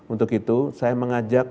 untuk itu saya mengajak